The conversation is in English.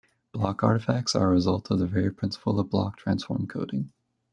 Block-artifacts are a result of the very principle of block transform coding.